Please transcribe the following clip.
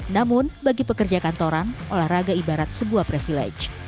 namun bagi pekerja kantoran olahraga ibarat sebuah privilege